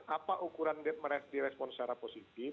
apa ukuran merespon secara positif